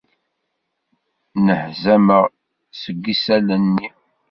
Nnehzameɣ seg isallen-nni.